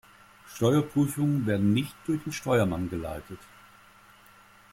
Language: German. Steuerprüfungen werden nicht durch den Steuermann geleitet.